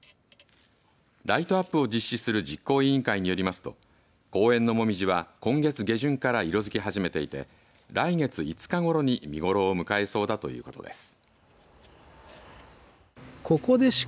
ライトアップを実施する実行委員会によりますと公園の紅葉は、今月下旬から色づき始めていて来月５日ごろに見頃を迎えそうだということです。